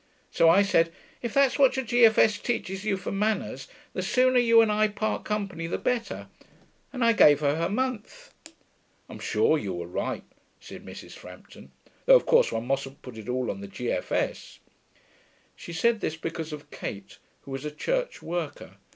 So I said, 'If that's what your G.F.S. teaches you for manners, the sooner you and I part company the better,' and I gave her her month.' 'I'm sure you were right,' said Mrs. Frampton. 'Though of course one mustn't put it all on the G.F.S.' She said this because of Kate, who was a church worker.